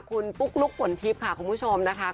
คุณปุ๊กลุ๊กฝนทิพย์ค่ะคุณผู้ชมนะคะ